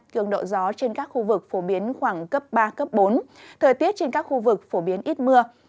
cường độ gió trên các khu vực phổ biến khoảng cấp ba bốn thời tiết trên các khu vực phổ biến ít mưa